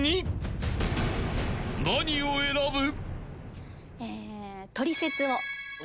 ［何を選ぶ？］